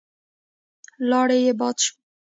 لاړې يې باد شوې.